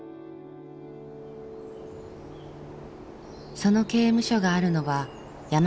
その刑務所があるのは山口県。